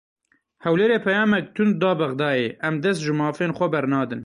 Hewlêrê peyamek tund da Bexdayê: Em dest ji mafên xwe bernadin.